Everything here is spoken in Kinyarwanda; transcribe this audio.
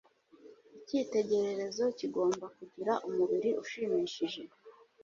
Icyitegererezo kigomba kugira umubiri ushimishije.